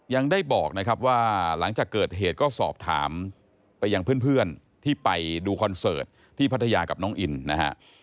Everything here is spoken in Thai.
ยังได้บอกนะครับว่าหลังจากเกิดเหตุก็สอบถามไปยังเพื่อนที่ไปดูคอนเสิร์ตที่พัทยากับน้องอินนะฮะ